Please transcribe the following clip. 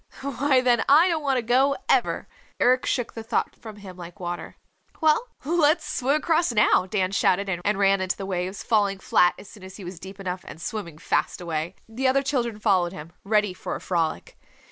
"Why, then I don't want to go, ever." Eric shook the thought from him like water. "Well, let's swim across now," Dan shouted, and ran into the waves, falling flat as soon as he was deep enough and swimming fast away. The other children followed him, ready for a frolic.